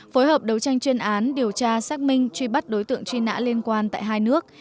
phối hợp đấu tranh chuyên án điều tra xác minh truy bắt đối tượng truy nã liên quan tại hai nước